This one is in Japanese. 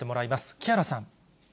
木原さん。